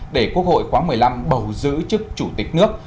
để quốc hội khóa một mươi năm bầu giữ chức chủ tịch nước